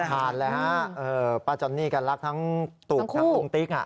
ผ่านเลยฮะป้าจอนนี่ก็รักทั้งตูบทั้งลุงติ๊ก